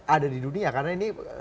ada di dunia karena ini